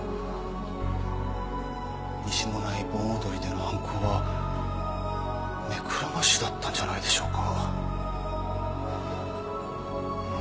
西馬音内盆踊りでの犯行は目くらましだったんじゃないでしょうか。